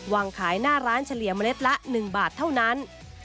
วางขายหน้าร้านเฉลี่ยเมล็ดละ๑บาทเท่านั้น